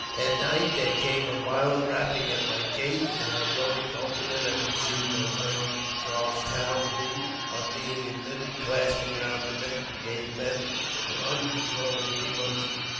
At night their came a violent rapping at my gate, and on ;going to open it I perceived my friend, Charles Towne, who, on being admitted, clasped me round the neck, and gave vent to uncontrolled emotion.